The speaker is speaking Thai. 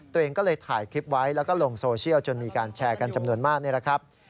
ตัวเองก็เลยถ่ายคลิปไว้แล้วก็ลงโซเชียลจนมีการแชร์กันจำนวนมากนี่แหละครับ